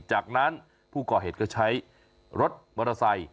จากนั้นผู้ก่อเหตุก็ใช้รถมอเตอร์ไซค์